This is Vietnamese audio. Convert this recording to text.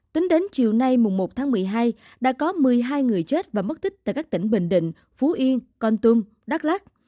tính đến chiều nay một tháng một mươi hai đã có một mươi hai người chết và mất tích tại các tỉnh bình định phú yên con tum đắk lắc